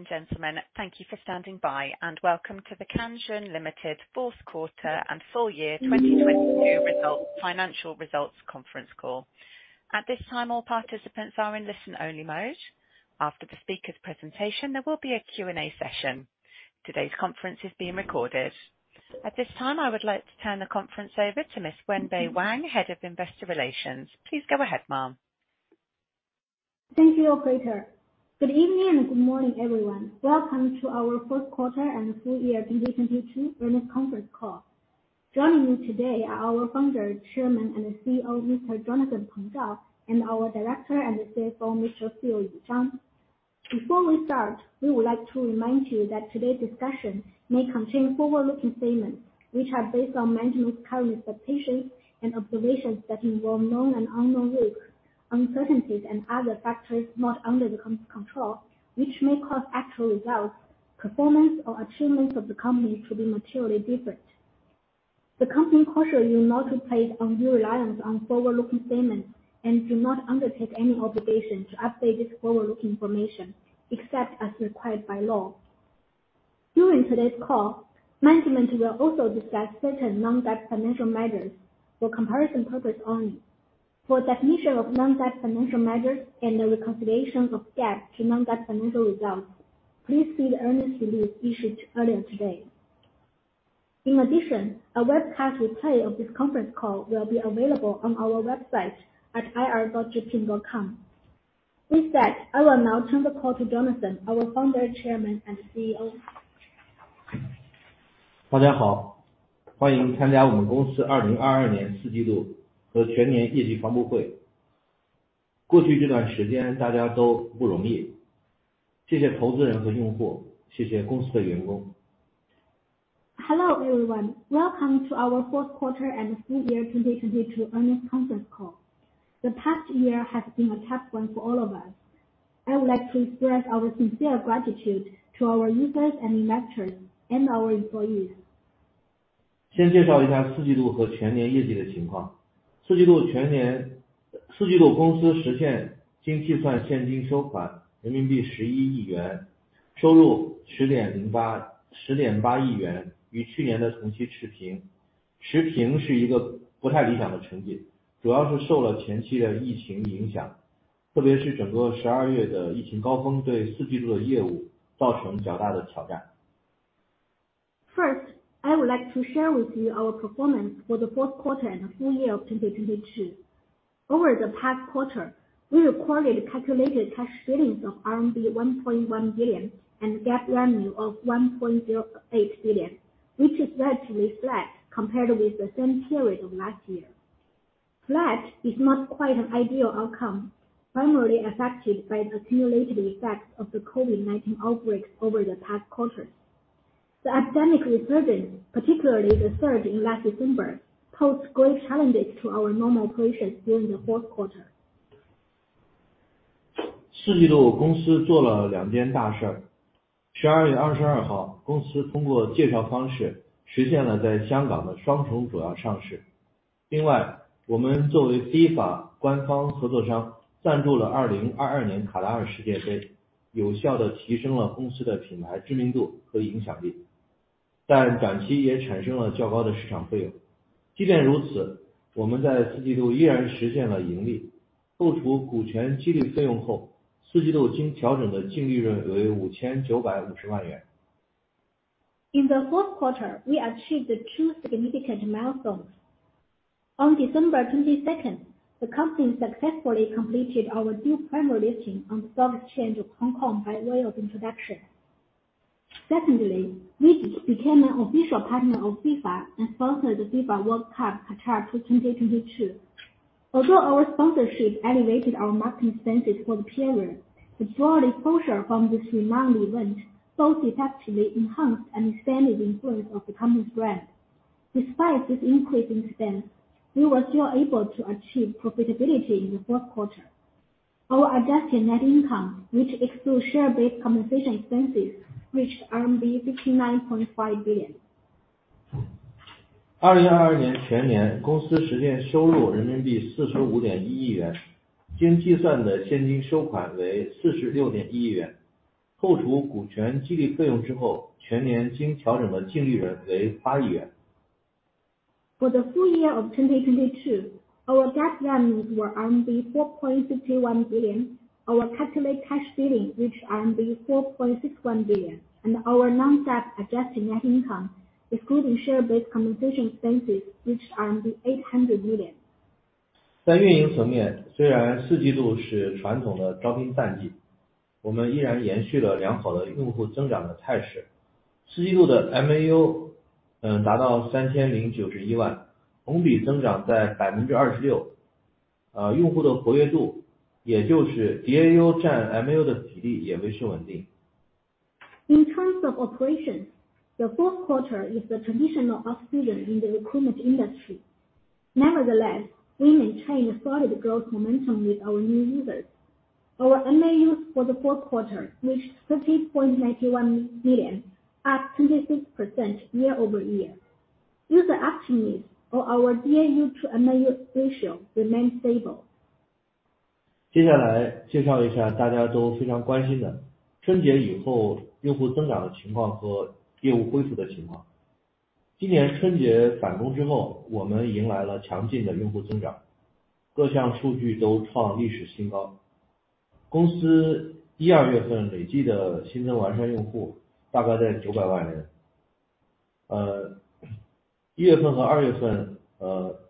Ladies and gentlemen, thank you for standing by, and welcome to the Kanzhun Limited Fourth Quarter and Full Year 2022 Financial Results Conference Call. At this time, all participants are in listen-only mode. After the speaker's presentation, there will be a Q&A session. Today's conference is being recorded. At this time, I would like to turn the conference over to Miss Wenbei Wang, Head of Investor Relations. Please go ahead, ma'am. Thank you, operator. Good evening and good morning, everyone. Welcome to our fourth quarter and full year 2022 earnings conference call. Joining me today are our Founder, Chairman, and CEO, Mr. Jonathan Peng Zhao, and our Director and CFO, Mr. Phil Yu Zhang. Before we start, we would like to remind you that today's discussion may contain forward-looking statements, which are based on management's current expectations and observations that involve known and unknown risks, uncertainties and other factors not under the control, which may cause actual results, performance, or achievements of the company to be materially different. The company cautions you not to place undue reliance on forward-looking statements and do not undertake any obligation to update this forward-looking information, except as required by law. During today's call, management will also discuss certain non-GAAP financial measures for comparison purpose only. For definition of non-GAAP financial measures and the reconciliation of GAAP to non-GAAP financial results, please see the earnings release issued earlier today. A webcast replay of this conference call will be available on our website at ir.zhipin.com. With that, I will now turn the call to Jonathan, our Founder, Chairman, and CEO. Hello, everyone. Welcome to our fourth quarter and full year 2022 earnings conference call. The past year has been a tough one for all of us. I would like to express our sincere gratitude to our users and investors and our employees. I would like to share with you our performance for the fourth quarter and full year of 2022. Over the past quarter, we recorded calculated cash billings of RMB 1.1 billion and GAAP revenue of 1.08 billion, which is largely flat compared with the same period of last year. Flat is not quite an ideal outcome. Primarily affected by the accumulated effects of the COVID-19 outbreak over the past quarters. The academic reserves, particularly the third in last December, posed great challenges to our normal operations during the fourth quarter. In the fourth quarter, we achieved two significant milestones. On December 22, the company successfully completed our dual primary listing on the Stock Exchange of Hong Kong by way of introduction. We became an official partner of FIFA and sponsored the FIFA World Cup Qatar 2022. Although our sponsorship elevated our marketing expenses for the period, the broad exposure from this renowned event both effectively enhanced and expanded influence of the company's brand. Despite this increase in spend, we were still able to achieve profitability in the fourth quarter. Our adjusted net income, which excludes share-based compensation, reached CNY 59.5 million. For the full year of 2022, our GAAP revenues were 4.61 billion. Our calculated cash billings reached 4.61 billion. Our non-GAAP adjusted net income, excluding share-based compensation, reached CNY 800 million. In terms of operations, the fourth quarter is the traditional off-season in the recruitment industry. Nevertheless, we maintained solid growth momentum with our new users. Our MAUs for the fourth quarter reached 30.91 million, up 26% year-over-year. User activeness of our DAU to MAU ratio remain stable. 接下来介绍一下大家都非常关心的春节以后用户增长的情况和业务恢复的情况。今年春节返工之 后， 我们迎来了强劲的用户增 长， 各项数据都创历史新高。公司一、二月份累计的新增完善用户大概在九百万人。呃， 一月份和二月 份， 呃，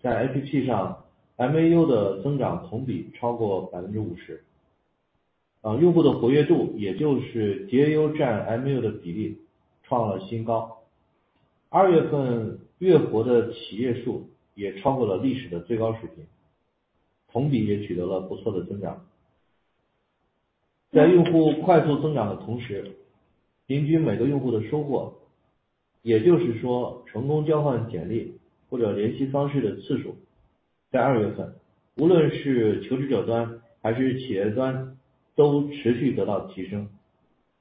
在 APP 上 ，MAU 的增长同比超过百分之五十。啊， 用户的活跃 度， 也就是 DAU 占 MAU 的比例创了新高。二月份月活的企业数也超过了历史的最高水 平， 同比也取得了不错的增长。在用户快速增长的同 时， 平均每个用户的收 获， 也就是说成功交换简历或者联系方式的次数，在二月 份， 无论是求职者端还是企业端都持续得到提 升，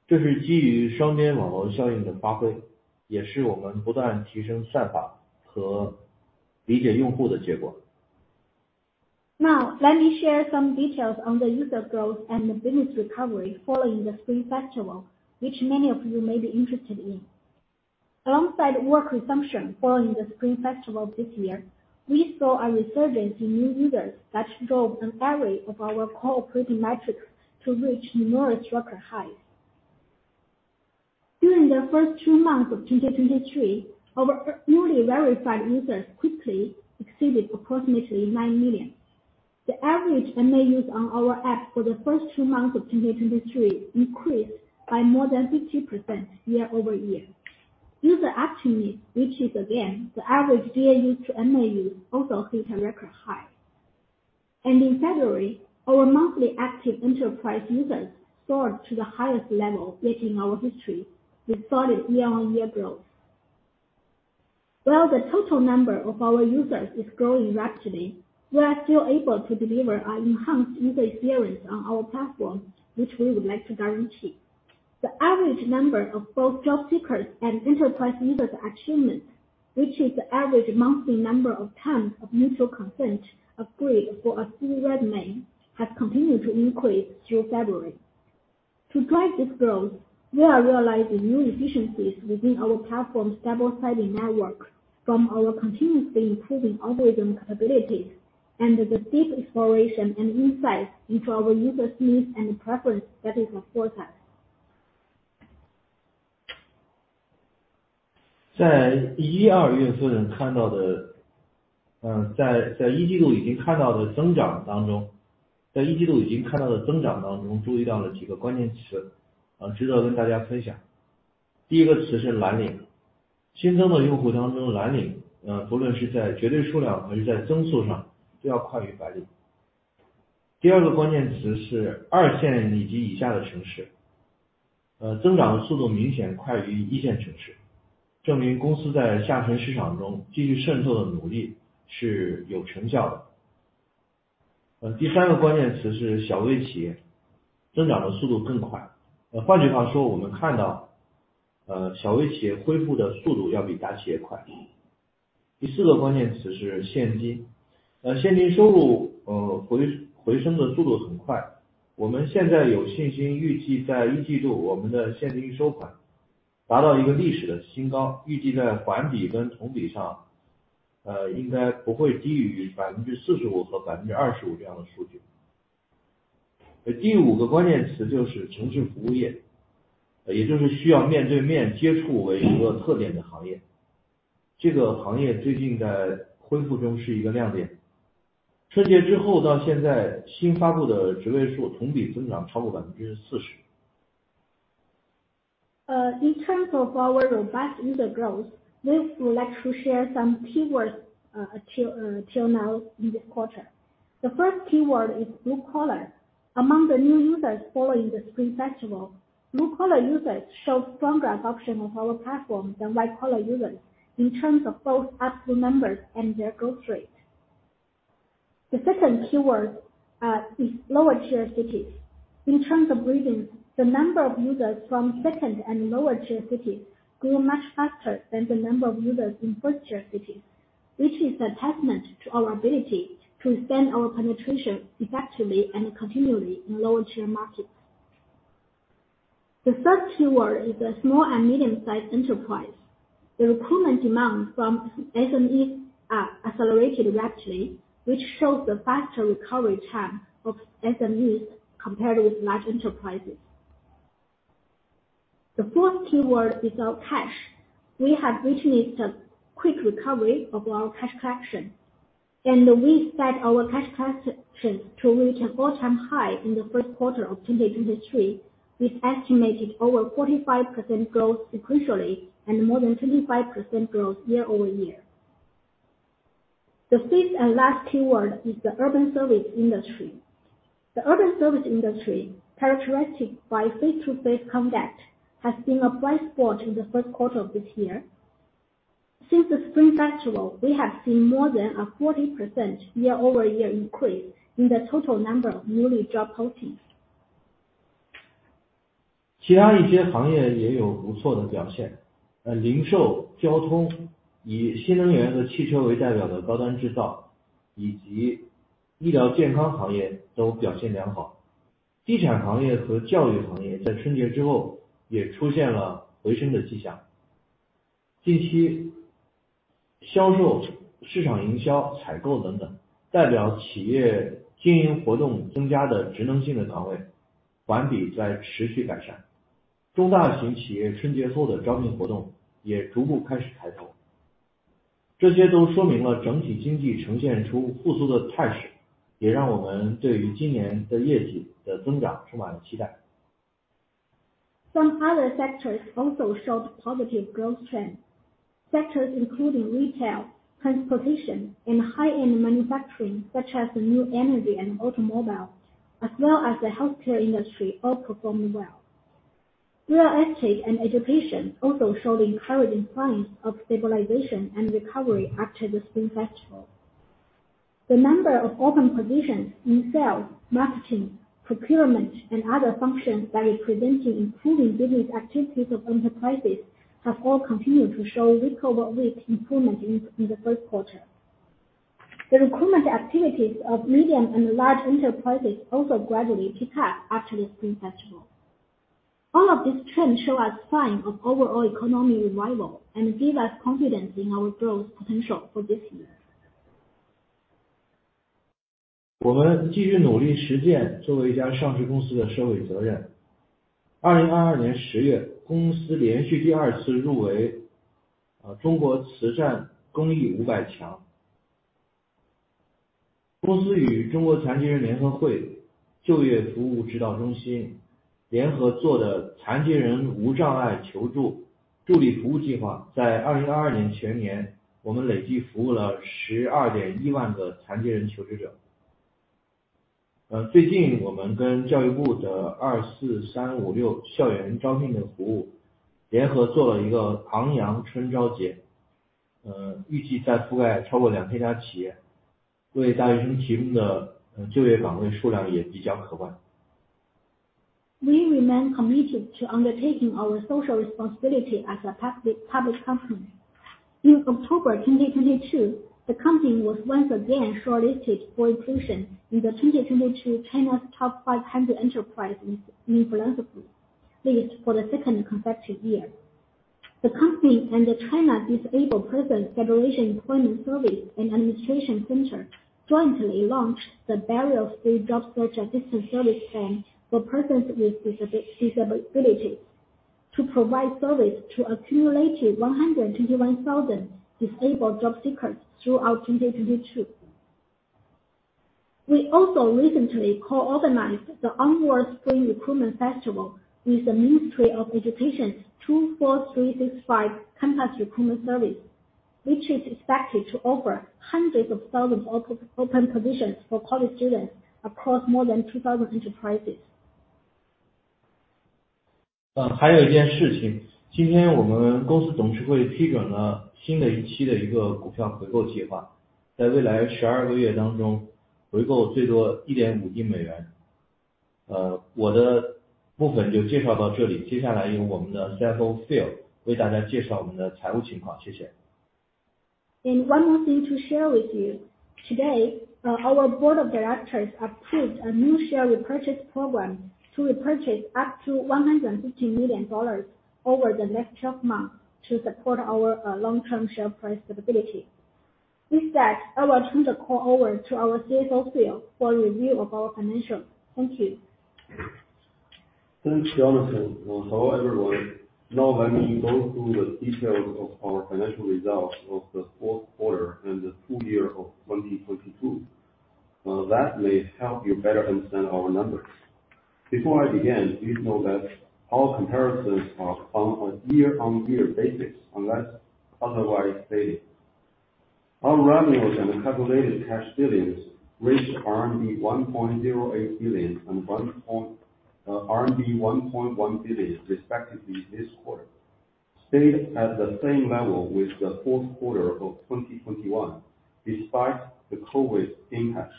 这是基于双边网络效应的发 挥， 也是我们不断提升算法和理解用户的结果。Let me share some details on the user growth and the business recovery following the Spring Festival, which many of you may be interested in. Alongside work resumption following the Spring Festival this year, we saw a resurgence in new users that drove an array of our core operating metrics to reach numerous record highs. During the first two months of 2023, our newly verified users quickly exceeded approximately 9 million. The average MAUs on our app for the first two months of 2023 increased by more than 50% year-over-year. User activeness, which is again the average DAU to MAU, also hit a record high. In February, our monthly active enterprise users soared to the highest level yet in our history with solid year-on-year growth. While the total number of our users is growing rapidly, we are still able to deliver an enhanced user experience on our platform, which we would like to guarantee. The average number of both job seekers and enterprise users' achievements, which is the average monthly number of times of mutual consent agreed for a single resume, has continued to increase through February. To drive this growth, we are realizing new efficiencies within our platform's double-sided network from our continuously improving algorithm capabilities and the deep exploration and insights into our users' needs and preferences that is afforded us. 在 1、2 月份看到 的， 在一季度已经看到的增长当 中， 注意到了几个关键 词， 值得跟大家分享。第一个词是蓝领。新增的用户当 中， 蓝 领， 不论是在绝对数量还是在增速 上， 都要快于白领。第二个关键词是二线以及以下的城 市， 增长的速度明显快于一线城市，证明公司在下沉市场中继续渗透的努力是有成效的。第三个关键词是小微企业。增长的速度更快。换句话 说， 我们看 到， 小微企业恢复的速度要比大企业快。第四个关键词是现金。现金收 入， 回升的速度很快。我们现在有信心预计在一季 度， 我们的现金收款达到一个历史的新 高， 预计在环比跟同比 上， 应该不会低于 45% 和 25% 这样的数据。第五个关键词就是城市服务 业， 也就是需要面对面接触为一个特点的行业。这个行业最近在恢复中是一个亮点。Spring Festival 之后到现在新发布的职位数同比增长超过 40%。In terms of our robust user growth, we would like to share some keywords till now in this quarter. The first keyword is blue collar. Among the new users following the Spring Festival, blue collar users showed stronger adoption of our platform than white collar users in terms of both absolute numbers and their growth rate. The second keyword is lower-tier cities. In terms of regions, the number of users from second and lower-tier cities grew much faster than the number of users in first-tier cities, which is a testament to our ability to extend our penetration effectively and continually in lower-tier markets. The third keyword is the small and medium-sized enterprise. The recruitment demand from SMEs are accelerated rapidly, which shows the faster recovery time of SMEs compared with large enterprises. The fourth keyword is our cash. We have witnessed a quick recovery of our cash collection, we expect our cash collections to reach an all-time high in the first quarter of 2023, with estimated over 45% growth sequentially and more than 25% growth year-over-year. The fifth and last keyword is the urban service industry. The urban service industry, characterized by face-to-face conduct, has been a bright spot in the first quarter of this year. Since the Spring Festival, we have seen more than a 40% year-over-year increase in the total number of newly job postings. 其他一些行业也有不错的表 现， 呃零售、交 通， 以新能源和汽车为代表的高端制 造， 以及医疗健康行业都表现良好。地产行业和教育行业在春节之后也出现了回升的迹象。近 期， 销售、市场营销、采购等等代表企业经营活动增加的职能性的岗 位， 环比在持续改善。中大型企业春节后的招聘活动也逐步开始抬头。这些都说明了整体经济呈现出复苏的态 势， 也让我们对于今年的业绩的增长充满了期待。Some other sectors also showed positive growth trends. Sectors including retail, transportation and high-end manufacturing, such as new energy and automobile, as well as the healthcare industry, all performed well. Real estate and education also showed encouraging signs of stabilization and recovery after the Spring Festival. The number of open positions in sales, marketing, procurement and other functions that represent improving business activities of enterprises have all continued to show week-over-week improvement in the first quarter. The recruitment activities of medium and large enterprises also gradually picked up after the Spring Festival. All of these trends show us signs of overall economic revival and give us confidence in our growth potential for this year. 我们继续努力实践作为一家上市公司的社会责任。二零二二年十 月， 公司连续第二次入 围， 呃中国慈善公益五百强。公司与中国残疾人联合会就业服务指导中心联合做的残疾人无障碍求助助理服务计 划， 在二零二二年全 年， 我们累计服务了十二点一万的残疾人求职者。呃最近我们跟教育部的二四三五六校园招聘的服务联合做了一个昂扬春招 节， 呃预计将覆盖超过两千家企 业， 为大学生提供的就业岗位数量也即将可观。We remain committed to undertaking our social responsibility as a public company. In October 2022, the company was once again shortlisted for inclusion in the 2022 China's Top 500 Enterprises in Philanthropy list for the second consecutive year. The company and the China Disabled Persons' Federation Employment Service and Administration Center jointly launched the Barrier-Free Job Search Assistance Service Plan for Persons with Disabilities to provide service to a cumulative 121,000 disabled job seekers throughout 2022. We also recently co-organized the Annual Spring Recruitment Festival with the Ministry of Education's 24365 Campus Recruitment Service, which is expected to offer hundreds of thousands of open positions for college students across more than 2,000 enterprises. 呃还有一件事 情， 今天我们公司董事会批准了新的一期的一个股票回购计 划， 在未来十二个月当中回购最多一点五亿美元。呃我的部分就介绍到这 里， 接下来由我们的 CFO Phil 为大家介绍我们的财务情况。谢谢。One more thing to share with you. Today, our board of directors approved a new share repurchase program to repurchase up to $150 million over the next 12 months to support our long-term share price stability. With that, I will turn the call over to our CFO, Phil, for a review of our financials. Thank you. Thanks, Jonathan. Well, hello, everyone. Now let me go through the details of our financial results of the fourth quarter and the full year of 2022. That may help you better understand our numbers. Before I begin, please note that all comparisons are on a year-on-year basis, unless otherwise stated. Our revenues and calculated cash billings reached RMB 1.08 billion and RMB 1.1 billion respectively this quarter, stayed at the same level with the fourth quarter of 2021, despite the COVID impact.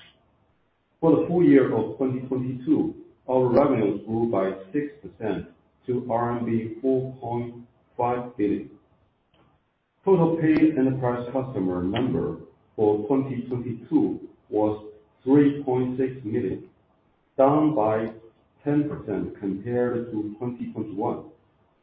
For the full year of 2022, our revenues grew by 6% to RMB 4.5 billion. Total paying enterprise customer number for 2022 was 3.6 million, down by 10% compared to 2021,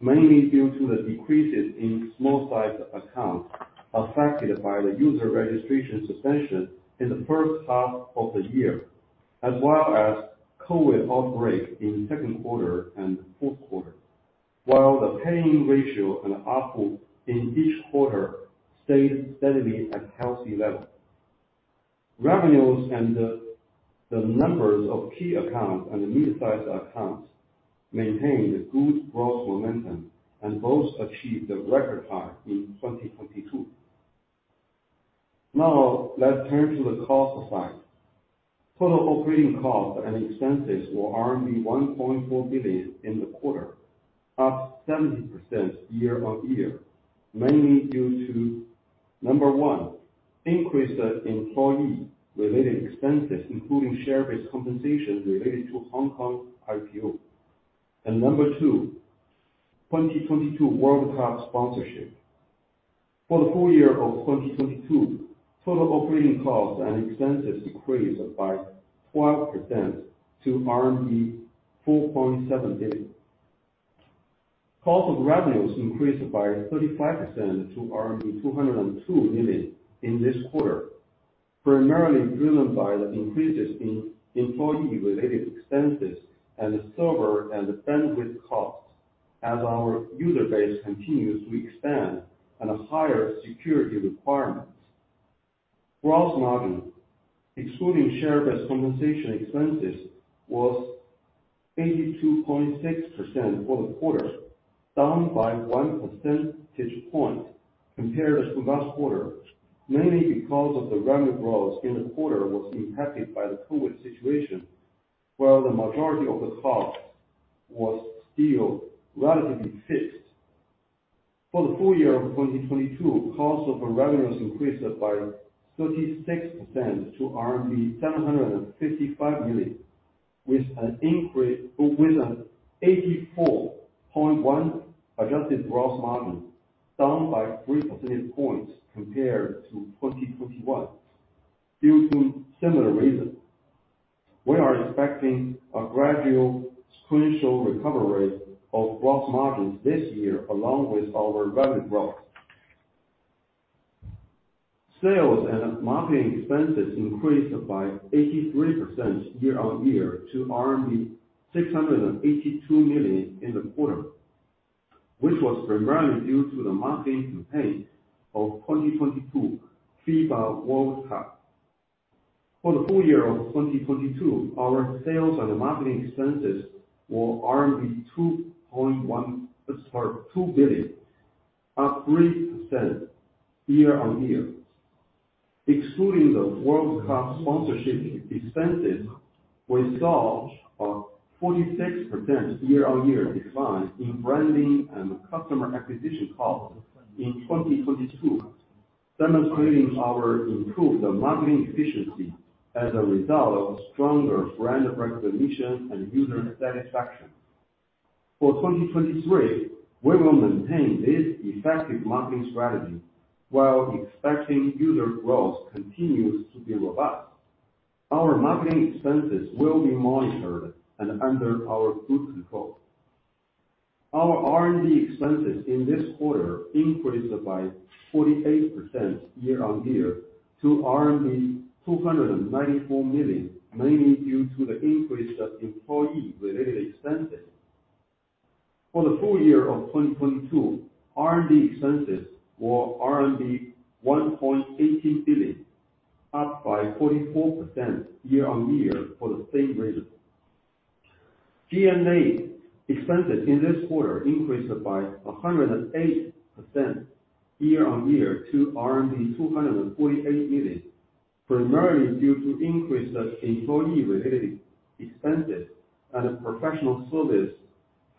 mainly due to the decreases in small-sized accounts affected by the user registration suspension in the first half of the year, as well as COVID outbreak in second quarter and fourth quarter. While the paying ratio and ARPU in each quarter stayed steadily at healthy level. Revenues and the numbers of key accounts and mid-sized accounts maintained good growth momentum and both achieved a record high in 2022. Let's turn to the cost side. Total operating costs and expenses were RMB 1.4 billion in the quarter, up 70% year-on-year, mainly due to, number one: Increased employee related expenses, including share-based compensation related to Hong Kong IPO. Number two, 2022 World Cup sponsorship. For the full year of 2022, total operating costs and expenses increased by 12% to RMB 4.7 billion. Cost of revenues increased by 35% to RMB 202 million in this quarter, primarily driven by the increases in employee related expenses and server and bandwidth costs as our user base continues to expand and higher security requirements. Gross margin, excluding share-based compensation expenses, was 82.6% for the quarter, down by 1 percentage point compared to last quarter. Mainly because of the revenue growth in the quarter was impacted by the COVID-19 situation, while the majority of the cost was still relatively fixed. For the full year of 2022, cost of revenues increased by 36% to RMB 755 million, with an 84.1 adjusted gross margin, down by 3 percentage points compared to 2021 due to similar reasons. We are expecting a gradual sequential recovery rate of gross margins this year along with our revenue growth. Sales and marketing expenses increased by 83% year-on-year to RMB 682 million in the quarter, which was primarily due to the marketing campaign of 2022 FIFA World Cup. For the full year of 2022, our sales and marketing expenses were 2 billion, up 3% year-on-year. Excluding the World Cup sponsorship expenses, we saw a 46% year-over-year decline in branding and customer acquisition costs in 2022, demonstrating our improved marketing efficiency as a result of stronger brand recognition and user satisfaction. For 2023, we will maintain this effective marketing strategy while expecting user growth continues to be robust. Our marketing expenses will be monitored and under our good control. Our R&D expenses in this quarter increased by 48% year-over-year to RMB 294 million, mainly due to the increase of employee related expenses. For the full year of 2022, R&D expenses were 1.8 billion, up by 44% year-over-year for the same reason. G&A expenses in this quarter increased by 108% year-on-year to RMB 248 million, primarily due to increase of employee related expenses and professional service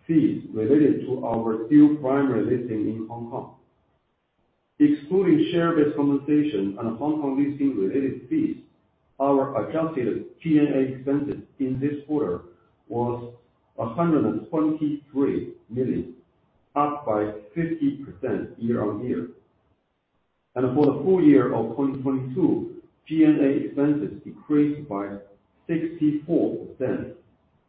fees related to our dual primary listing in Hong Kong. Excluding share-based compensation and Hong Kong listing-related fees, our adjusted G&A expenses in this quarter was 123 million, up by 50% year-on-year. For the full year of 2022, G&A expenses decreased by 64%,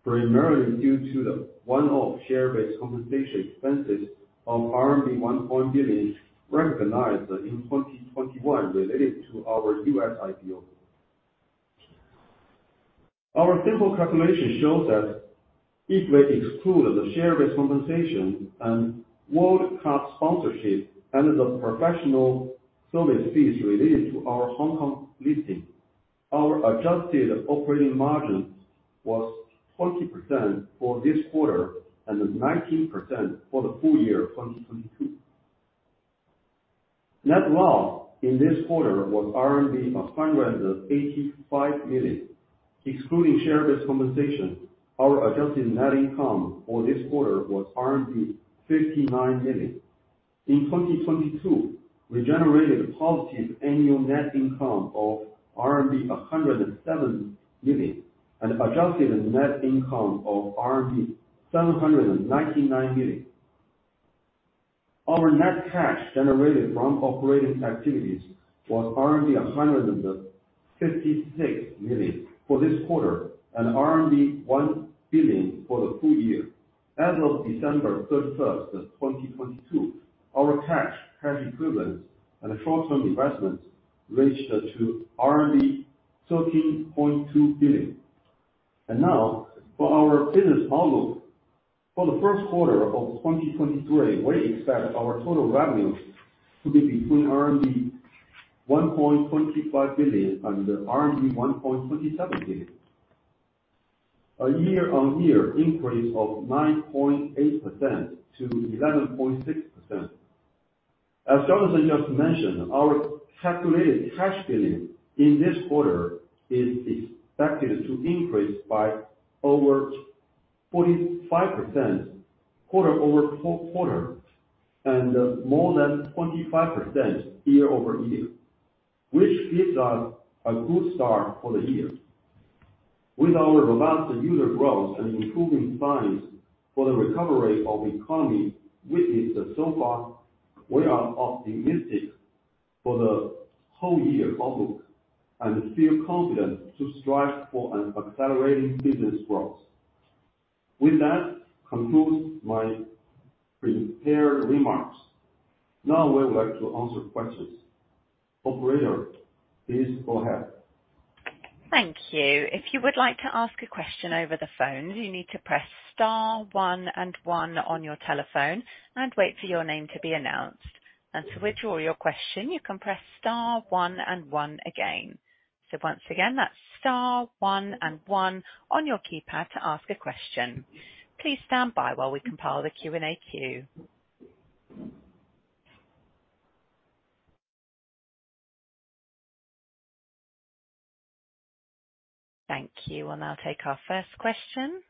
primarily due to the one-off share-based compensation expenses of RMB 1 billion recognized in 2021 related to our U.S. IPO. Our simple calculation shows that if we exclude the share-based compensation and World Cup sponsorship and the professional service fees related to our Hong Kong listing, our adjusted operating margin was 20% for this quarter and 19% for the full year of 2022. Net loss in this quarter was 185 million RMB. Excluding share-based compensation, our adjusted net income for this quarter was 59 million. In 2022, we generated positive annual net income of RMB 107 million and adjusted net income of RMB 799 million. Our net cash generated from operating activities was RMB 156 million for this quarter and RMB 1 billion for the full year. As of December 31, 2022, our cash equivalents, and short-term investments reached to RMB 13.2 billion. Now for our business outlook. For the first quarter of 2023, we expect our total revenues to be between RMB 1.25 billion and RMB 1.27 billion. A year-on-year increase of 9.8%-11.6%. As Jonathan just mentioned, our calculated cash billion in this quarter is expected to increase by over 45% quarter-over-quarter, more than 25% year-over-year, which gives us a good start for the year. With our robust user growth and improving signs for the recovery of economy witnessed so far, we are optimistic for the whole year outlook, feel confident to strive for an accelerating business growth. With that concludes my prepared remarks. Now we would like to answer questions. Operator, please go ahead. Thank you. If you would like to ask a question over the phone, you need to press * one and one on your telephone and wait for your name to be announced. To withdraw your question, you can press * one and one again. Once again, that's * one and one on your keypad to ask a question. Please stand by while we compile the Q&A queue. Thank you. We'll now take our first question.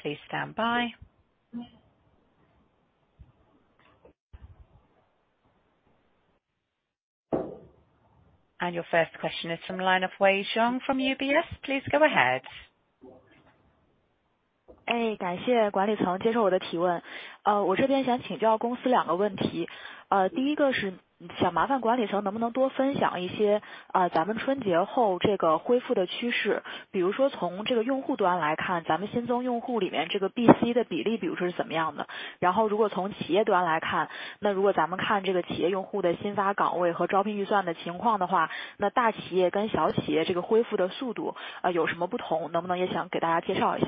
Please stand by. Your first question is from line of Wei Xiong from UBS. Please go ahead. 感谢管理层接受我的提问。我这边想请教公司2个问 题， 1st 是想麻烦管理层能不能多分享一些咱们 Spring Festival 后这个恢复的趋 势， 比如说从这个用户端来 看， 咱们新增用户里面这个 BC 的比例比如说是什么样 的？ 如果从企业端来 看， 如果咱们看这个企业用户的新发岗位和招聘预算的情况的 话， 大企业跟小企业这个恢复的速度有什么不 同？ 能不能也想给大家介绍一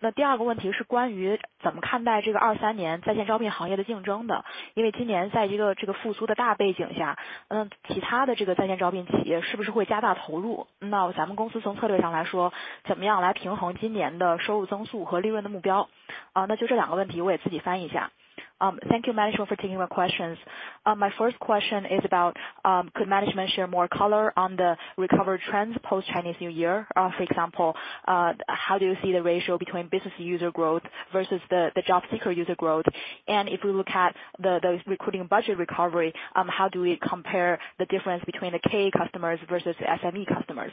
下？ 2nd 个问题是关于怎么看待这个2023年在线招聘行业的竞争的。今年在一个这个复苏的大背景 下， 其他的这个在线招聘企业是不是会加大投 入？ 咱们公司从策略上来 说， 怎么样来平衡今年的收入增速和利润的目 标？ 那就这2个问 题， 我也自己翻译一下。Thank you management for taking my questions. My first question is about, could management share more color on the recovery trends post Chinese New Year? For example, how do you see the ratio between business user growth versus the job seeker user growth? If we look at the recruiting budget recovery, how do we compare the difference between the K customers versus the SME customers?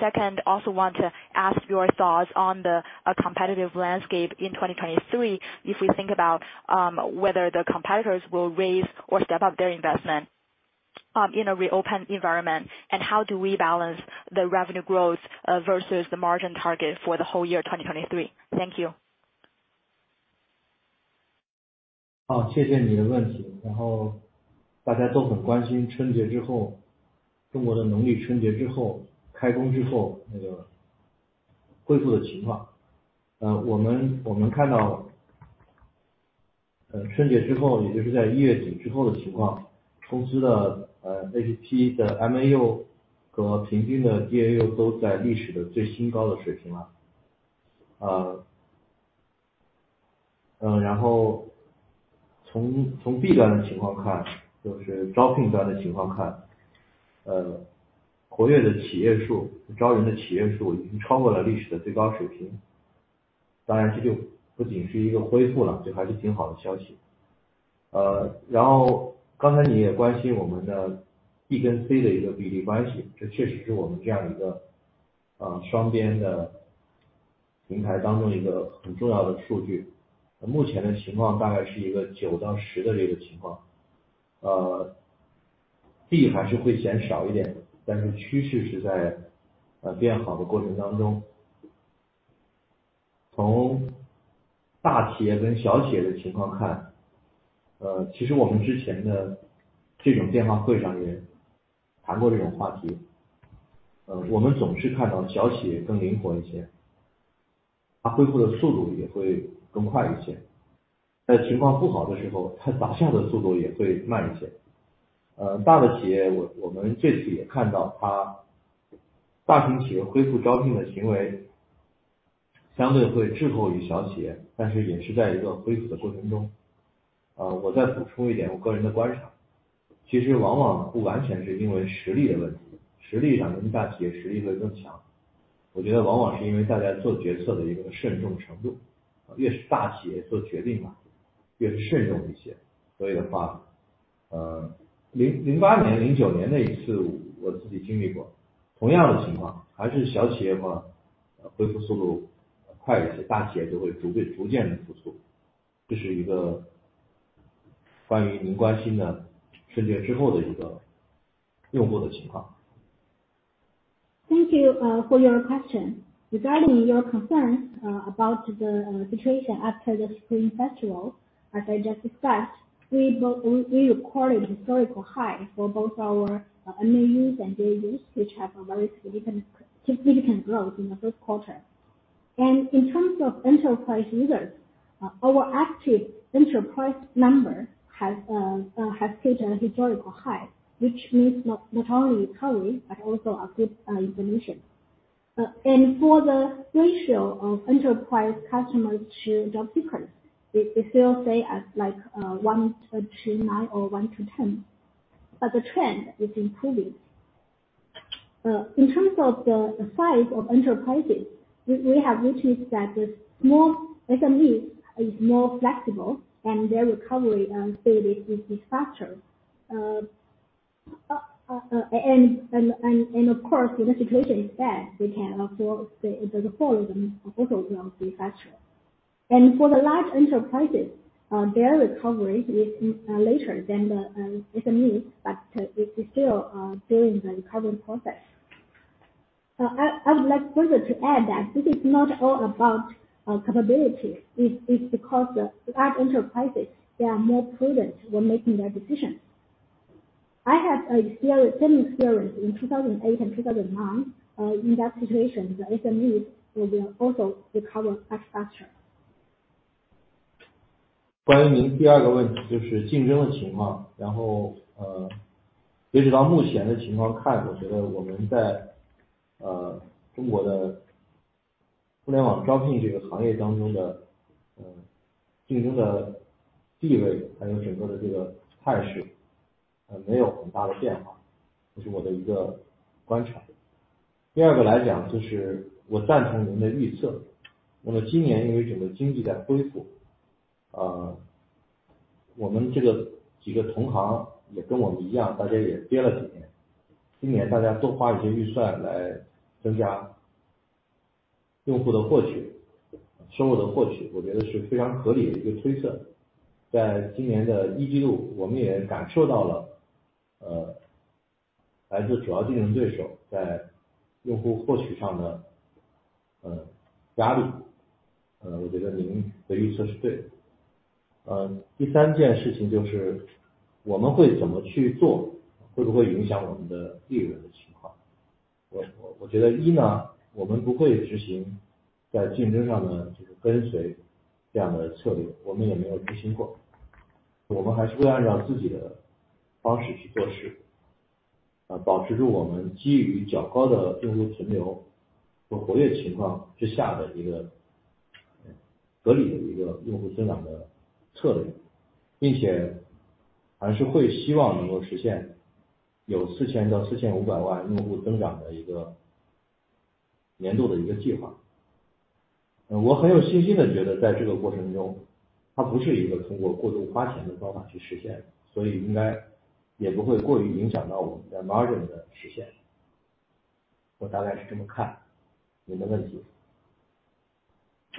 Second, also want to ask your thoughts on the competitive landscape in 2023. If we think about whether the competitors will raise or step up their investment in a reopened environment, and how do we balance the revenue growth versus the margin target for the whole year 2023? Thank you. 好， 谢谢你的问题。然后大家都很关心春节之 后， 中国的农历春节之 后， 开工之后那个恢复的情况。呃， 我 们， 我们看 到， 呃， 春节之 后， 也就是在一月紧之后的情 况， 公司的 APP 的 MAU 和平均的 DAU 都在历史的最新高的水平了。呃， 嗯， 然后 从， 从 B 端的情况 看， 就是招聘端的情况 看， 呃，活跃的企业 数， 招人的企业数已经超过了历史的最高水平。当然这就不仅是一个恢复 了， 这还是挺好的消息。呃， 然后刚才你也关心我们的 B 跟 C 的一个比例关 系， 这确实是我们这样一 个， 呃， 双边的平台当中一个很重要的数据。目前的情况大概是一个九到十的这个情况。呃 ，B 还是会减少一 点， 但是趋势是 在， 呃， 变好的过程当中。从大企业跟小企业的情况 看， 呃， 其实我们之前的这种电话会上也谈过这种话 题， 呃， 我们总是看到小企业更灵活一 些， 它恢复的速度也会更快一些。在情况不好的时 候， 它打下的速度也会慢一些。呃， 大的企业我-我们这次也看到它大型企业恢复招聘的行为相对会滞后于小企 业， 但是也是在一个恢复的过程中。呃， 我再补充一点我个人的观 察， 其实往往不完全是因为实力的问 题， 实力上当然大企业实力会更强。我觉得往往是因为大家做决策的一个慎重程 度， 越是大企业做决定 吧， 越是慎重一些。所以的 话， 呃， 零-零八年、零九年那一次我自己经历过同样的情 况， 还是小企业 吧， 恢复速度快一 些， 大企业就会逐步逐渐地复苏。这是一个关于您关心的春节之后的一个用户的情况。Thank you for your question. Regarding your concern about the situation after the Spring Festival, as I just discussed, we recorded historical high for both our MAUs and DAUs, which have a very significant growth in the first quarter. In terms of enterprise users, our active enterprise number has hit a historical high, which means not only recovery, but also a good solution. For the ratio of enterprise customers to job seekers, it still stay at like 1 to 9 or 1 to 10, but the trend is improving. 在 terms of the size of enterprises, we have reached that the small SME is more flexible and their recovery and speed is faster. Of course if the situation is bad, we can also say it will follow the overall recovery factor. For the large enterprises, their recovery is later than the SMEs, but it is still during the recovery process. I would like further to add that this is not all about capability. It's because the large enterprises, they are more prudent when making their decisions. I have experience, same experience in 2008 and 2009. In that situation, the SMEs will also recover faster. 关于您 second 个问 题， 就是竞争的情 况， 然后截止到目前的情况 看， 我觉得我们在中国的互联网招聘这个行业当中的竞争的地 位， 还有整个的这个态 势， 没有很大的变 化， 这是我的 a 个观察。second 个来 讲， 就是我赞同您的预 测， 那么今年因为整个经济在恢复，我们这个 several 个同行也跟我们一 样， 大家也憋了 several years， 今年大家多花 some 预算来增加用户的获 取， 收入的获 取， 我觉得是非常合理的 a 个推测。在今年的 Q1， 我们也感受到了来自主要竞争对手在用户获取上的压力。我觉得您的预测是对的。third 件事情就是我们会怎么去 做， 会不会影响我们的利润的情况。我觉得 one 呢， 我们不会执行在竞争上的这个跟随这样的策 略， 我们也没有执行 过， 我们还是会按照自己的方式去做 事， 保持着我们基于较高的用户停留和活跃情况之下的 a 个合理的 a 个用户增长的策 略， 并且还是会希望能够实现有40 million-45 million 用户增长的 a 个年度的 a 个计划。我很有信心地觉 得， 在这个过程 中， 它不是 a 个通过过度花钱的方法去实 现， 所以应该也不会过于影响到我们的 margin 的实现。我大概是这么看你的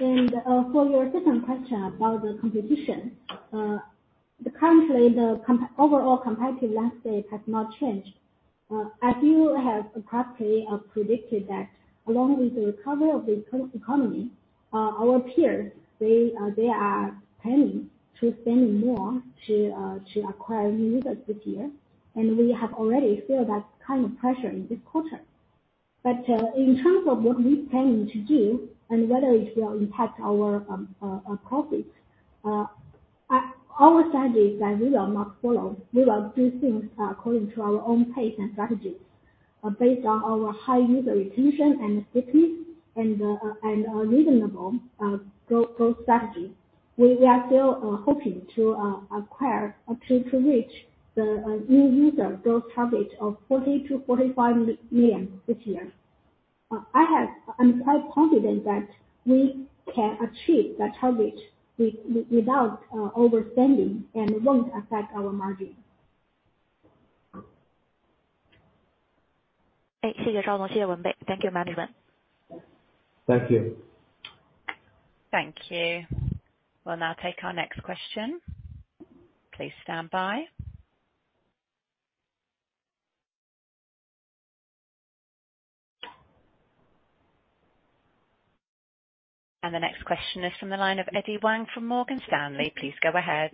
问题。For your second question about the competition. Currently the overall competitive landscape has not changed. As you have correctly predicted that along with the recovery of the eco-economy, our peers, they are planning to spend more to acquire new users this year, and we have already feel that kind of pressure in this quarter. In terms of what we plan to do and whether it will impact our profits, our strategy is that we will not follow. We will do things according to our own pace and strategies. Based on our high user retention and stickiness and a reasonable goal strategy. We are still hoping to acquire or to reach the new user growth target of 40 million-45 million this year. I'm quite confident that we can achieve that target without overspending and won't affect our margin. 哎， 谢谢赵 总， 谢谢文蓓。Thank you management。Thank you. Thank you. We'll now take our next question. Please stand by. The next question is from the line of Eddy Wang from Morgan Stanley. Please go ahead.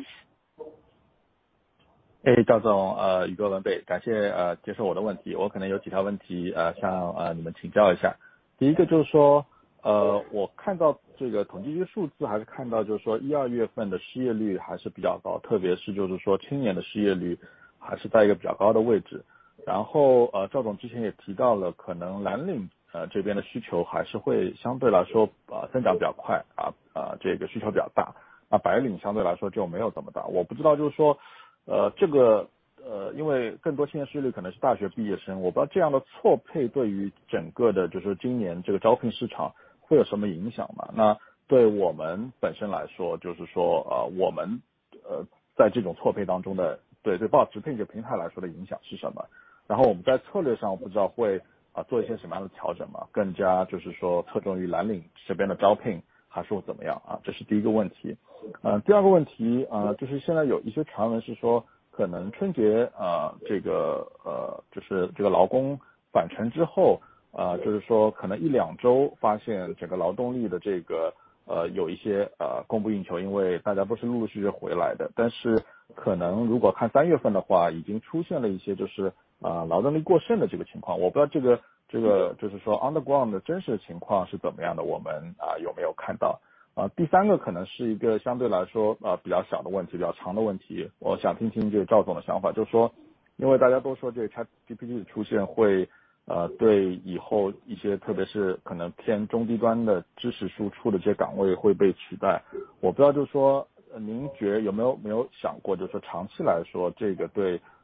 哎， 赵 总， 呃， 余 哥， 文 蓓， 感 谢， 呃， 接受我的问题。我可能有几条问 题， 呃， 想， 呃， 你们请教一下。第一个就是 说， 呃， 我看到这个统计的数 字， 还是看到就是说一二月份的失业率还是比较 高， 特别是就是说青年的失业率还是在一个比较高的位置。然 后， 呃， 赵总之前也提到 了， 可能蓝 领， 呃， 这边的需求还是会相对来 说， 呃， 增长比较 快， 啊， 呃， 这个需求比较 大， 那白领相对来说就没有这么大。我不知 道， 就是 说， 呃， 这 个， 呃， 因为更多青年失业率可能是大学毕业 生， 我不知道这样的错配对于整个的就是今年这个招聘市场会有什么影响 吗？ 那对我们本身来 说， 就是 说， 呃， 我 们， 呃， 在这种错配当中 的， 对， 对报职聘这个平台来说的影响是什 么？ 然后我们在策略上我不知道 会， 呃， 做一些什么样的调整 吗？ 更加就是说侧重于蓝领这边的招聘还是怎么 样？ 啊， 这是第一个问题。呃， 第二个问 题， 呃， 就是现在有一些传闻是说可能春 节， 呃， 这 个， 呃， 就是这个劳工返城之 后， 呃， 就是说可能一两周发现整个劳动力的这 个， 呃， 有一 些， 呃， 供不应 求， 因为大家不是陆陆续续回来 的， 但是可能如果看三月份的 话， 已经出现了一 些， 就 是， 呃， 劳动力过剩的这个情 况， 我不知道这 个， 这 个， 就是说 on the ground 的真实情况是怎么样 的， 我 们， 啊， 有没有看到 ？啊 第三个可能是一个相对来说呃比较小的问 题， 比较长的问题。我想听听赵总的想 法， 就是说因为大家都说这个 ChatGPT 的出现会 呃， 对以后一些特别是可能偏中低端的知识输出的这些岗位会被取代。我不知 道， 就是说您觉得有没 有， 有没有想 过， 就是说长期来 说， 这个对中国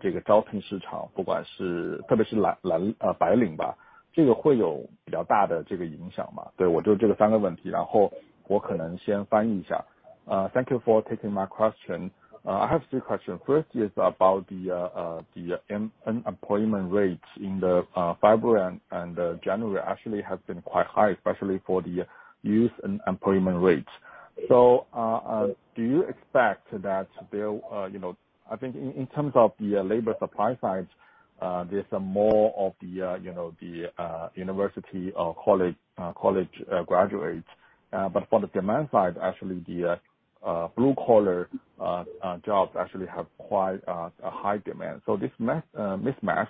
这个招聘市 场， 不管是特别是蓝- 蓝， 呃白领 吧， 这个会有比较大的这个影响 吗？ 对， 我就这个三个问 题， 然后我可能先翻译一下。Uh... Thank you for taking my question. I have three questions. First is about the employment rate in February and January actually has been quite high, especially for the youth employment rate. Do you expect that there, you know, I think in terms of the labor supply side, there's a more of the, you know, the university or college graduates, but for the demand side, actually the blue collar jobs actually have quite a high demand. This mismatch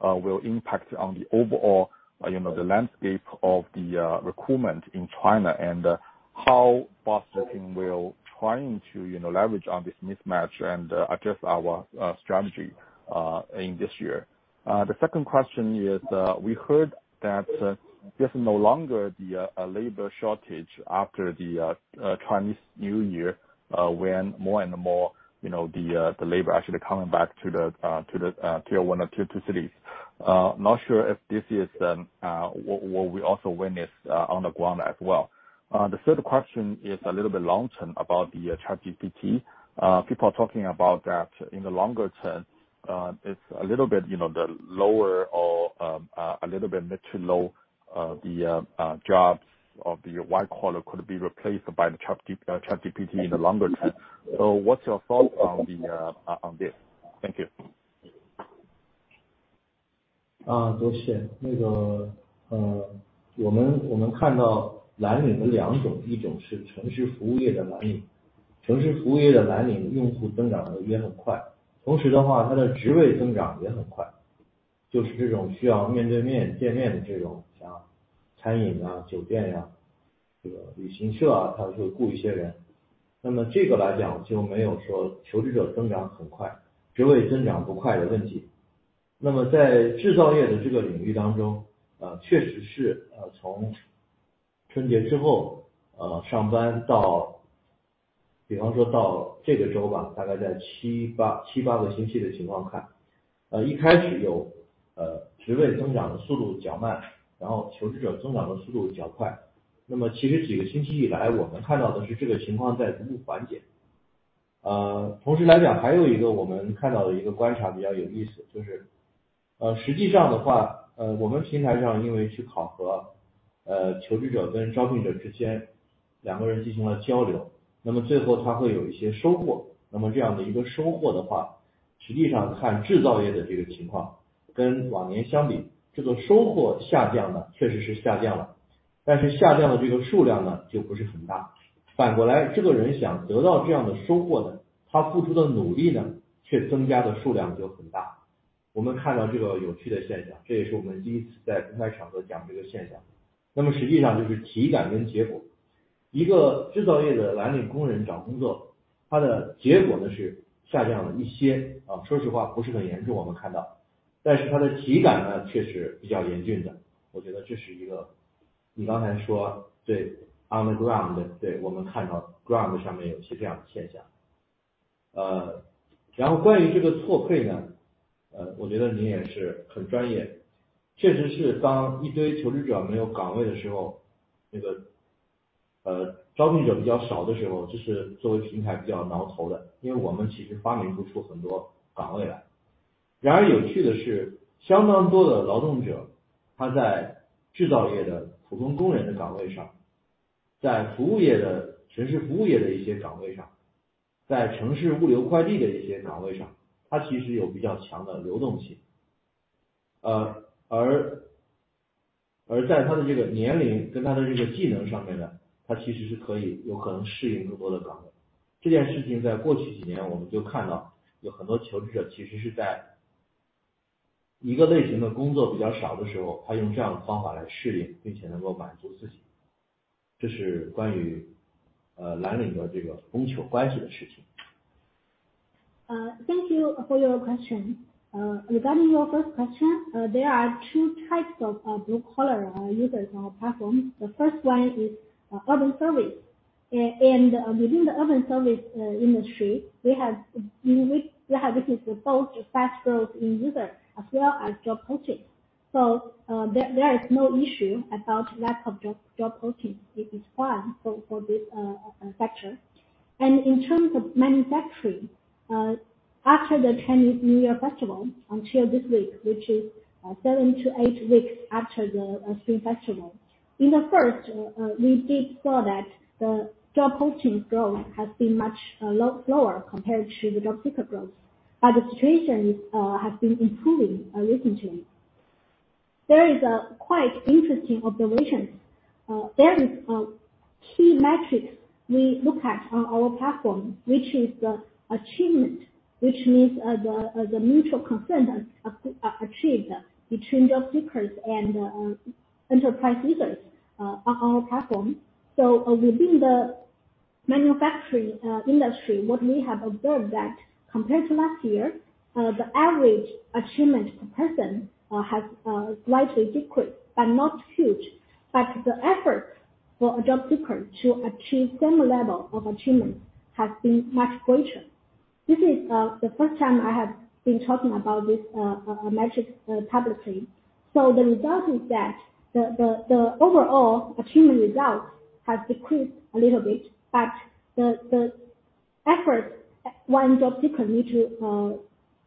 will impact on the overall, you know, the landscape of the recruitment in China and how BOSS Zhipin will trying to, you know, leverage on this mismatch and address our strategy in this year. The second question is, we heard that there's no longer the labor shortage after the Chinese New Year, when more and more, you know, the labor actually coming back to the tier 1 or 2 cities. Not sure if this is then what we also witness on the ground as well. The third question is a little bit long term about the ChatGPT, people are talking about that in the longer term, it's a little bit, you know, the lower or a little bit mid to low, the jobs of the white collar could be replaced by the ChatGPT in the longer term. What's your thought on this? Thank you. 啊多谢。那 个， 呃， 我 们， 我们看到蓝领有两 种， 一种是城市服务业的蓝领。城市服务业的蓝领用户增长得也很 快， 同时的话他的职位增长也很 快， 就是这种需要面对面见面的这 种， 像餐饮 啊， 酒店 呀， 这个旅行社 啊， 它会雇一些 人， 那么这个来讲就没有说求职者增长很 快， 职位增长不快的问题。那么在制造业的这个领域当 中， 呃， 确实 是， 呃， 从春节之 后， 呃， 上班到——比方说到这个周 吧， 大概在七 八， 七八个星期的情况 看， 呃， 一开始 有， 呃， 职位增长的速度较 慢， 然后求职者增长的速度较快。那么其实几个星期以 来， 我们看到的是这个情况在逐步缓解。呃， 同时来 讲， 还有一个我们看到的一个观察比较有意 思， 就 是， 呃， 实际上的 话， 呃， 我们平台上因为去考核， 呃， 求职者跟招聘者之 间， 两个人进行了交 流， 那么最后他会有一些收获。那么这样的一个收获的 话， 实际上看制造业的这个情 况， 跟往年相 比， 这个收获下降了确实是下降 了， 但是下降的这个数量呢就不是很大。反过来这个人想得到这样的收获 呢， 他付出的努力 呢， 却增加的数量就很大。我们看到这个有趣的现 象， 这也是我们第一次在公开场合讲这个现象。那么实际上就是体感跟结果。一个制造业的蓝领工人找工 作， 他的结果呢是下降了一 些， 啊说实话不是很严重我们看 到， 但是他的体感呢确实比较严峻的。我觉得这是一个你刚才说对 on the ground， 对， 我们看到 ground 上面有些这样的现象。呃， 然后关于这个错配 呢， 呃， 我觉得您也是很专业，确实是当一堆求职者没有岗位的时 候， 那 个， 呃， 招聘者比较少的时 候， 这是作为平台比较挠头 的， 因为我们其实发明不出很多岗位来。然而有趣的 是， 相当多的劳动 者， 他在制造业的普通工人的岗位 上， 在服务业的城市服务业的一些岗位 上， 在城市物流快递的一些岗位 上， 他其实有比较强的流动 性， 呃， 而， 而在他的这个年 龄， 跟他的这个技能上面 呢， 他其实是可以有可能适应更多的岗位。这件事情在过去几年我们就看 到， 有很多求职者其实是在一个类型的工作比较少的时 候， 他用这样的方法来适 应， 并且能够满足自己。这是关 于， 呃， 蓝领的这个供求关系的事情。Thank you for your question, regarding your first question, there are two types of blue collar users on our platform. The first one is urban service, and within the urban service industry, we have witnessed both fast growth in user as well as job posting. There is no issue about lack of job posting, it is fine for this factor. In terms of manufacturing, after the Chinese New Year festival, until this week, which is seven to eight weeks after the Spring Festival. In the first, we did saw that the job posting growth has been much lower compared to the job seeker growth, but the situation has been improving recently. There is a quite interesting observation, there is a key metric we look at on our platform, which is the achievement, which means the mutual consent achieved between job seekers and enterprise users on our platform. Within the. Manufacturing industry. What we have observed that compared to last year, the average achievement per person has slightly decreased, but not huge. The effort for a job seeker to achieve same level of achievement has been much greater. This is the first time I have been talking about this metric publicly. The result is that the overall achievement results have decreased a little bit, but the effort one job seeker need to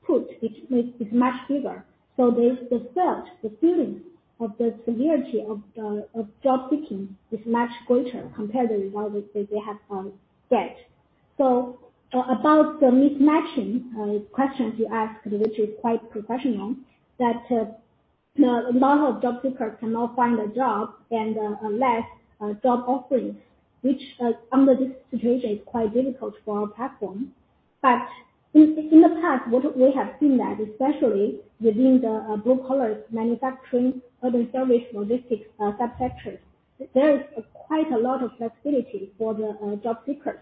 put is much bigger. The search, the feeling of the severity of job seeking is much greater compared to what they have said. About the mismatching questions you asked, which is quite professional, that, you know, a lot of job seekers cannot find a job and, unless, job offerings, which, under this situation is quite difficult for our platform. In the past, what we have seen that especially within the blue collars manufacturing, urban service, logistics, subsectors, there is quite a lot of flexibility for the job seekers.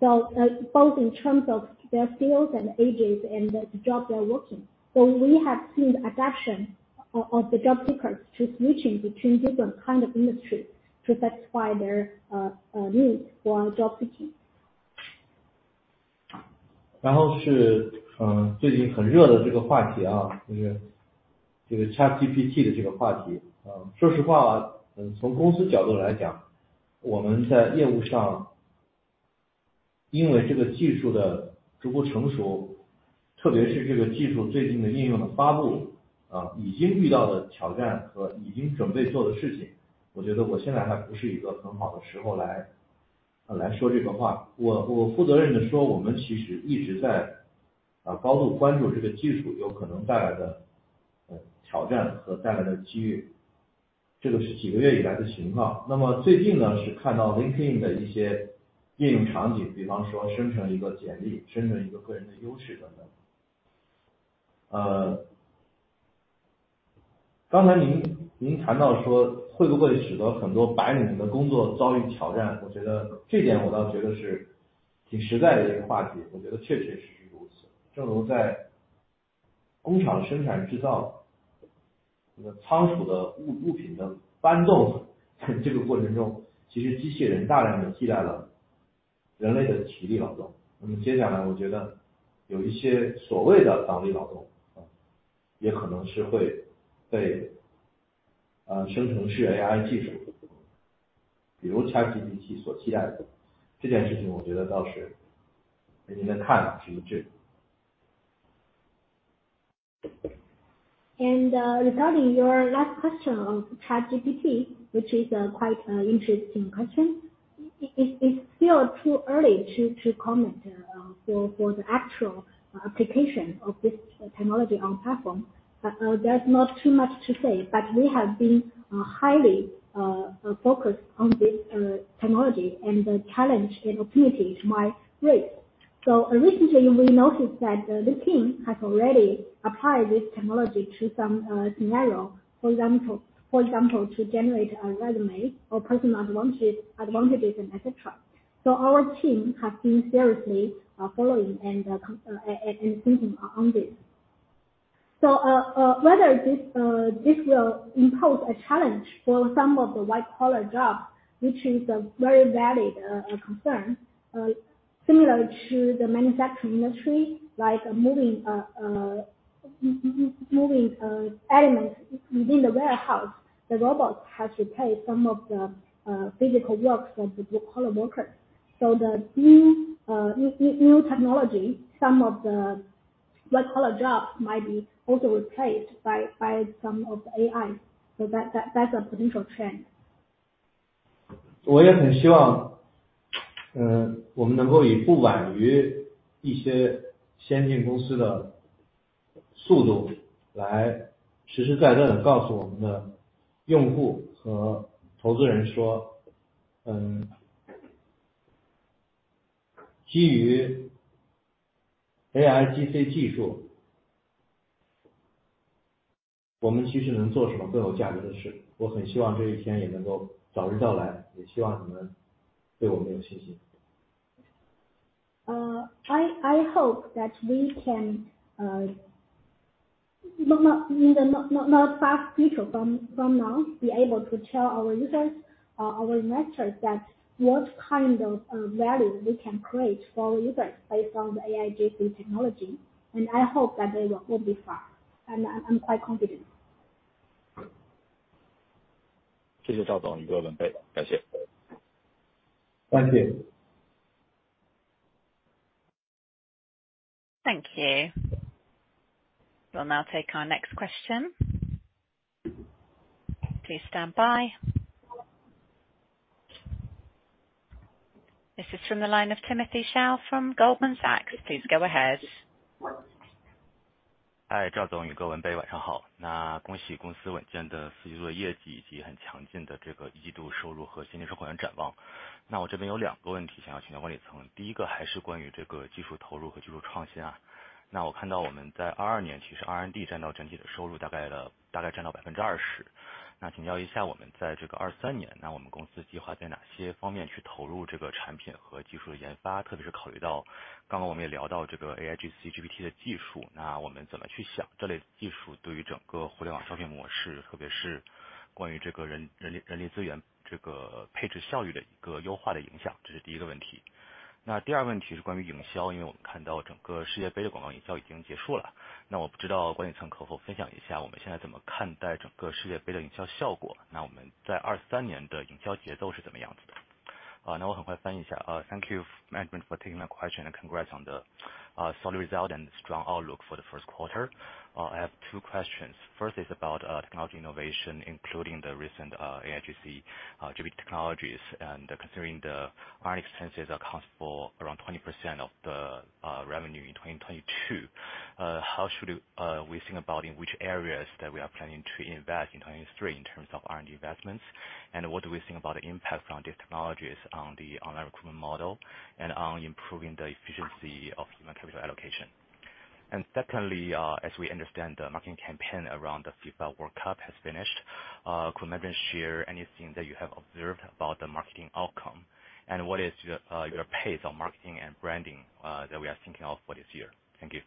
Both in terms of their skills and ages and the job they are working. We have seen adaption of the job seekers to switching between different kind of industry to satisfy their needs for job seeking. 然后是嗯最近很热的这个话题 啊， 就是这个 ChatGPT 的这个话题。呃说实话 啊， 嗯从公司角度来 讲， 我们在业务上因为这个技术的逐步成 熟， 特别是这个技术最近的应用的发 布， 啊已经遇到的挑战和已经准备做的事 情， 我觉得我现在还不是一个很好的时候来-来说这个话。我， 我负责任地 说， 我们其实一直在啊高度关注这个技术有可能带来的 呃， 挑战和带来的机遇。这个是几个月以来的情况。那么最近 呢， 是看到 LinkedIn 的一些应用场 景， 比方说生成一个简 历， 生成一个个人的优势等等。呃， 刚才 您， 您谈到说会不会使得很多白领的工作遭遇挑 战， 我觉得这点我倒觉得是挺实在的一个话 题， 我觉得确确实实如此。正如在工厂生产制 造， 这个仓储的物-物品的搬 动， 在这个过程 中， 其实机器人大量地替代了人类的体力劳动。那么接下来我觉得有一些所谓的脑力劳动 啊， 也可能是会被啊生成式 AI 技 术， 比如 ChatGPT 所替代的。这件事情我觉得倒是跟您的看法持一致。Regarding your last question of ChatGPT, which is a quite interesting question. It is still too early to comment for the actual application of this technology on platform. There's not too much to say, but we have been highly focused on this technology and the challenge and opportunity it might raise. Recently we noticed that the team has already applied this technology to some scenario, for example, to generate a resume or personal advantages and et cetera. Our team has been seriously following and thinking on this. Whether this will impose a challenge for some of the white collar jobs, which is a very valid concern, similar to the manufacturing industry, like moving elements within the warehouse. The robot has replaced some of the physical work of the blue collar workers. The new technology, some of the white collar jobs might be also replaced by some of the AI. That's a potential trend. 我也很希 望，我 们能够以不晚于一些先进公司的速度来实实在在地告诉我们的用户和投资人 说，基 于 AIGC 技 术，我 们其实能做什么更有价值的事。我很希望这一天也能够早日到 来，也 希望你们对我们有信心。I hope that we can in the not far future from now, be able to tell our users, our investors that what kind of value we can create for users based on the AIGC technology. I hope that they will not be far. I'm quite confident. 谢谢赵 总， 宇 哥， 文 蓓， 感谢。感 谢. Thank you. We'll now take our next question. Please stand by. This is from the line of Timothy Zhao from Goldman Sachs. Please go ahead. 嗨， 赵 总， 宇 哥， 文 蓓， 晚上好。那恭喜公司稳健的四季度业绩以及很强劲的这个一季度收入和新年收回的展望。那我这边有两个问题想要请教管理 层， 第一个还是关于这个技术投入和技术创新 啊， 那我看到我们在二二 年， 其实 R&D 占到整体的收入大概 了， 大概占到百分之二十那请教一 下， 我们在这个二三 年， 那我们公司计划在哪些方面去投入这个产品和技术的研 发， 特别是考虑到刚刚我们也聊到这个 AIGC GPT 的技 术， 那我们怎么去想这类技术对于整个互联网商业模 式， 特别是关于这个人 力， 人力资源这个配置效率的一个优化的影 响， 这是第一个问题。那第二个问题是关于营 销， 因为我们看到整个世界杯的广告营销已经结束 了， 那我不知道管理层可否分享一下我们现在怎么看待整个世界杯的营销效 果， 那我们在二三年的营销节奏是怎么样子的。啊， 那我很快翻译一下。Thank you management for taking my question and congrats on the, uh, solid result and strong outlook for the first quarter. I have two questions. First is about technology innovation, including the recent AIGC, GPT technologies and considering the R&D expenses are accountable around 20% of the revenue in 2022. How should we think about in which areas that we are planning to invest in 2023 in terms of R&D investments? What do we think about the impact on these technologies on the online recruitment model and on improving the efficiency of human capital allocation? Secondly, as we understand the marketing campaign around the FIFA World Cup has finished. Could management share anything that you have observed about the marketing outcome and what is your pace on marketing and branding that we are thinking of for this year? Thank you.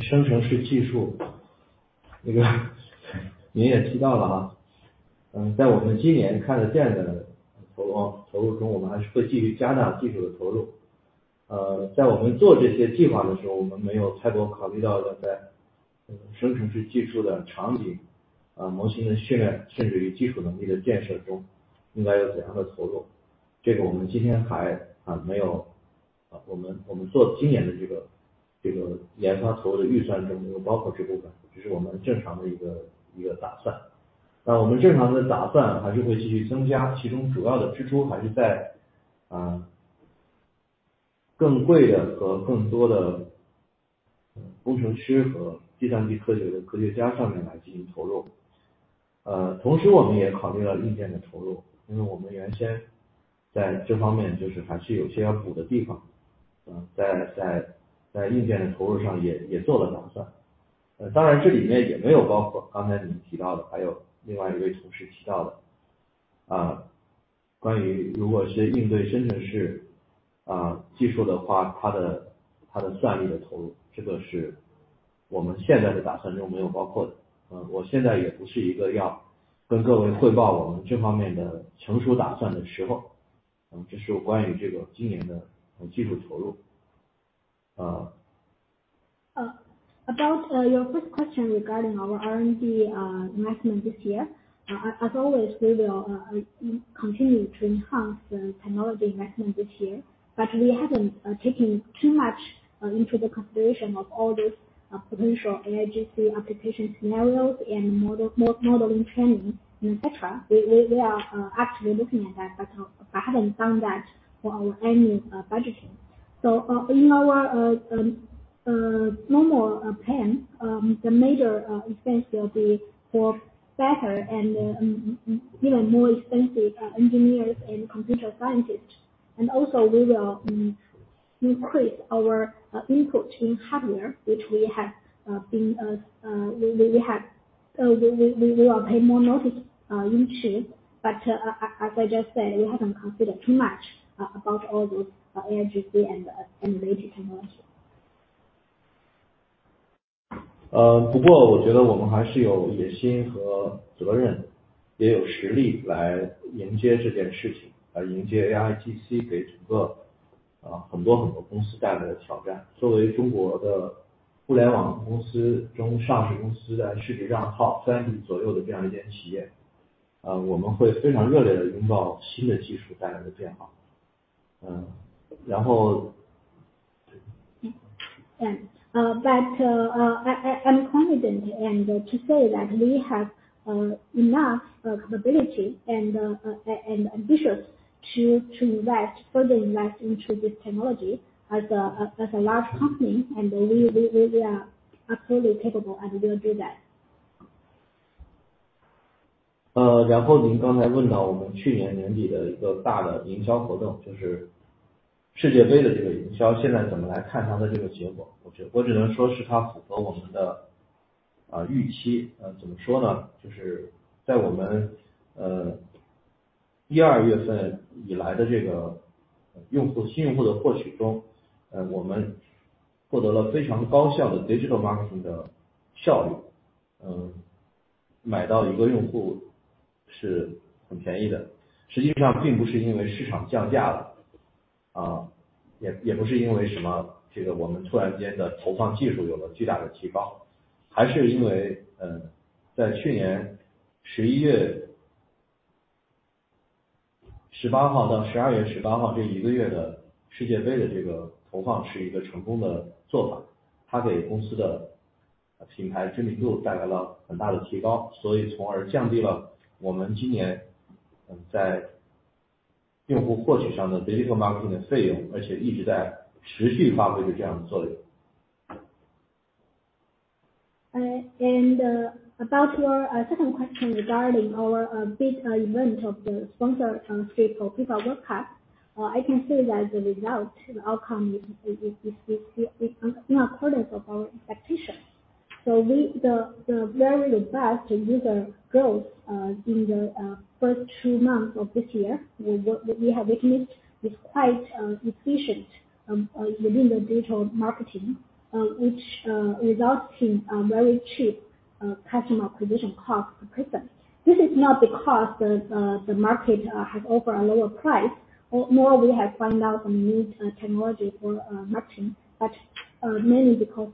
生成式技术。那个你也提到了 啊， 嗯， 在我们今年看的这样的投-投入 中， 我们还是会继续加大技术的投入。呃， 在我们做这些计划的时 候， 我们没有太多考虑到的在生成式技术的场 景， 啊模型的训 练， 甚至于技术能力的建设中应该有怎样的投 入， 这个我们今天还没有。我 们， 我们做今年的这 个， 这个研发投入的预算 中， 没有包括这部 分， 只是我们正常的一 个， 一个打算。那我们正常的打算还是会继续增 加， 其中主要的支出还是 在， 嗯， 更贵的和更多的工程师和计算机科学的科学家上面来进行投入。呃， 同时我们也考虑了硬件的投 入， 因为我们原先在这方面就是还是有些要补的地 方， 嗯， 在， 在， 在硬件的投入上 也， 也做了打算。当然这里面也没有包括刚才你提到的，还有另外一位同事提到 的， 啊， 关于如果是应对生成 式， 啊， 技术的 话， 它 的， 它的算力的投 入， 这个是我们现在的打算中没有包括的。嗯， 我现在也不是一个要跟各位汇报我们这方面的成熟打算的时 候， 嗯， 这是关于这个今年的技术投入。呃。About your first question regarding our R&D investment this year. As always, we will continue to enhance the technology investment this year, but we haven't taken too much into the consideration of all those potential AIGC application scenarios and modeling training and etc. We are actually looking at that, but I haven't done that for our annual budgeting. In our normal plan, the major expense will be for better and more expensive engineers and computer scientists. We will increase our input in hardware which we have been, we will pay more notice into. As I just said, we haven't considered too much about all those AIGC and related technology. 我觉得我们还是有野心和责 任, 也有实力来迎接这件事 情, 来迎接 AIGC 给整个很多很多公司带来的挑 战. 作为中国的互联网公司中上市公司的世界二套三左右的这样一件企 业, 我们会非常热烈地拥抱新的技术带来的变 化. I'm confident and to say that we have enough capability and ambition to invest, further invest into this technology as a large company, and we are absolutely capable and will do that. 您刚才问到我们去年年底的一个大的营销 活动，就是 World Cup 的这个 营销，现在 怎么来看它的这个 结果，我 只能说是它符合我们的预期。怎么说 呢，就是 在我们 January and February 以来的这个 用户，新 用户的获取 中，我们 获得了非常高效的 digital marketing 的效率。买到一个用户是很便宜 的，实际上 并不是因为市场降价 了，也不是 因为什么这个我们突然间的投放技术有了巨大的 提高，还是 因为，在 last year November 18 to December 18这一个月的 World Cup 的这个投放是一个成功的 做法，它 给公司的品牌知名度带来了很大的 提高，所以 从而降低了我们今年在用户获取上的 digital marketing 的 费用，一直 在持续发挥着这样的作用。About your second question regarding our big event of the sponsor on FIFA World Cup. I can say that the result and outcome is not product of our expectation. The very best user growth in the first two months of this year we have witnessed is quite efficient within the digital marketing which results in very cheap customer acquisition cost per customer. This is not because the market has offered a lower price or more we have found out a new technology for marketing but mainly because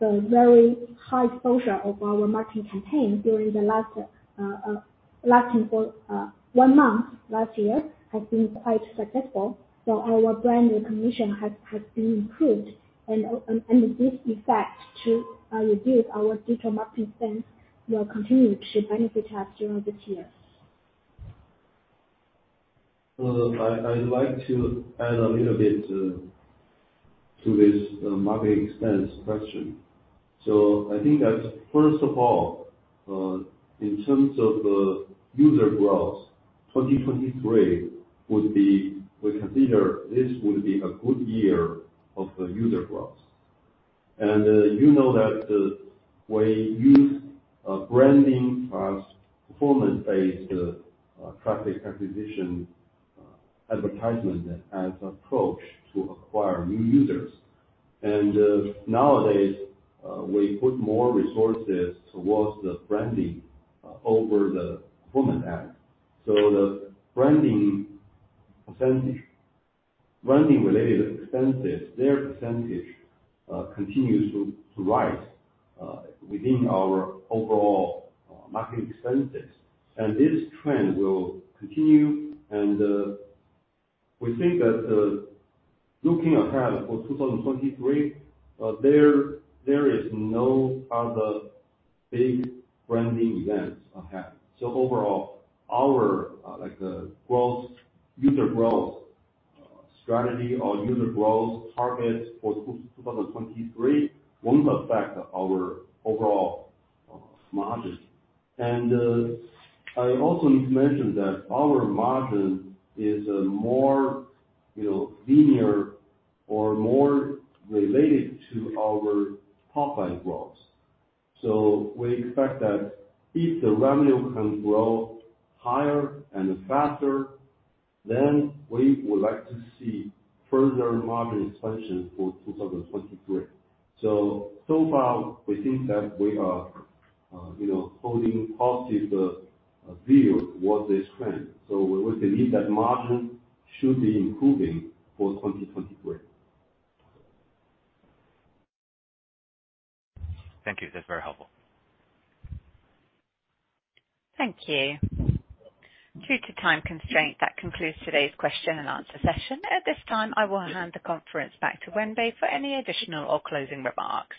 the very high exposure of our marketing campaign during the last lasting for one month last year has been quite successful. Our brand recognition has been improved and this effect to reduce our digital marketing spend will continue to benefit us during the year. I'd like to add a little bit to this marketing expense question. I think that first of all, in terms of user growth, 2023. We consider this would be a good year of user growth. You know that we use branding plus performance-based traffic acquisition advertisement as approach to acquire new users. Nowadays, we put more resources towards the branding over the performance ads. The branding percentage, branding related expenses, their percentage continues to rise within our overall marketing expenses. This trend will continue. We think that looking ahead for 2023, there is no other big branding events ahead. Overall, our like the growth, user growth, strategy or user growth targets for 2023 won't affect our overall margins. I also need to mention that our margin is more, you know, linear or more related to our top line growth. We expect that if the revenue can grow higher and faster, then we would like to see further margin expansion for 2023. So far we think that we are, you know, holding positive view towards this trend. We believe that margin should be improving for 2023. Thank you. That's very helpful. Thank you. Due to time constraint, that concludes today's question and answer session. At this time, I will hand the conference back to Wenbei for any additional or closing remarks.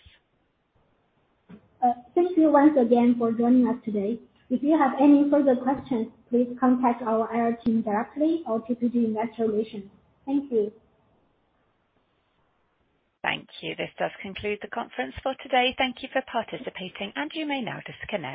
Thank you once again for joining us today. If you have any further questions, please contact our IR team directly or Piacente Financial Communications. Thank you. Thank you. This does conclude the conference for today. Thank you for participating, and you may now disconnect.